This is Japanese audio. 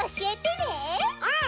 うん！